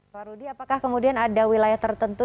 pak rudi apakah kemudian ada wilayah tertentu